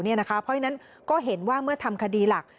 เพราะฉะนั้นก็เห็นว่าเมื่อทำคดีหลัก